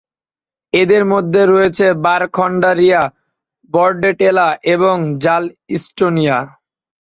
এদের মধ্যে রয়েছে "বারখোল্ডারিয়া", "বর্ডেটেলা" এবং "র্যালস্টোনিয়া"।